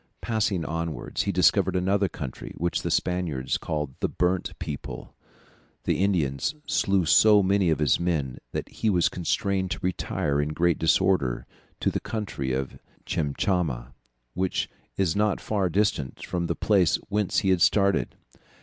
Passing onwards he discovered another country, which the Spaniards called the burnt people. The Indians slew so many of his men that he was constrained to retire in great disorder to the country of Chinchama, which is not far distant from the place whence he had started.